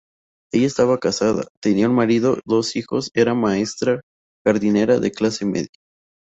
Ella estaba casada, tenía un marido, dos hijos, era maestra jardinera, de clase media.